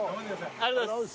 ありがとうございます。